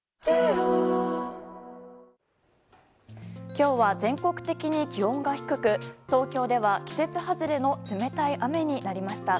今日は全国的に気温が低く東京では、季節外れの冷たい雨になりました。